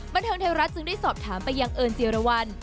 บันเทิงไทยรัฐจึงได้สอบถามไปยังเอิญจิรวรรณ